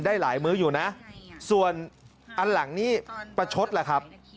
ได้หลายมื้ออยู่นะส่วนอันหลังนี่ประชดแหละครับ